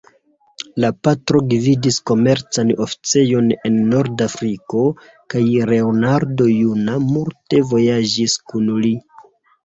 La patro gvidis komercan oficejon en Nord-Afriko kaj Leonardo juna multe vojaĝis kun li.